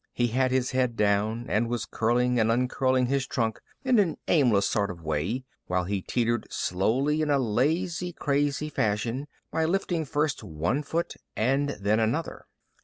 He had his head down and was curling and uncurling his trunk in an aimless sort of way while he teetered slowly in a lazy crazy fashion by lifting first one foot and then another.